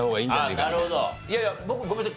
いやいや僕ごめんなさい。